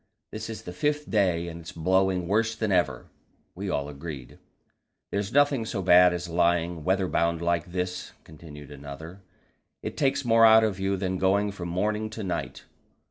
This is the fifth day, and it's blowing worse than ever." We all agreed. "There's nothing so bad as lying weather bound like this," continued another; "it takes more out of you than going from morning to night."